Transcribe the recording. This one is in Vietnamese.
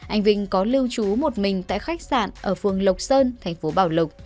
anh vinh có lưu trú một mình tại khách sạn ở phường lộc sơn thành phố bảo lộc